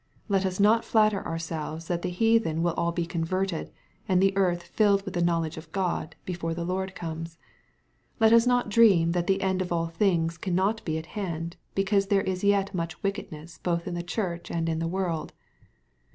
Let us not flatter ourselves that the heathen will all be converted, and the earth filled with the knowledge of God, before the Lord comes. Let us not dream that the end of all things cannot be at hand, because there is yet much wickedness both in the Church and in the world.